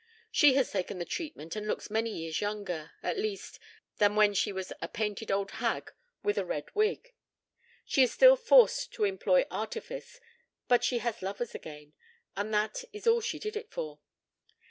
She has taken the treatment and looks many years younger, at least, than when she was a painted old hag with a red wig. She is still forced to employ artifice, but she has lovers again, and that is all she did it for.